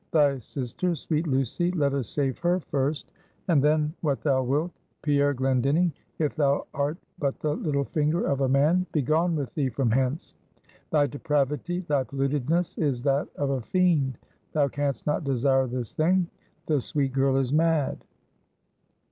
Thy sister, sweet Lucy let us save her first, and then what thou wilt. Pierre Glendinning if thou art but the little finger of a man begone with thee from hence! Thy depravity, thy pollutedness, is that of a fiend! Thou canst not desire this thing: the sweet girl is mad!"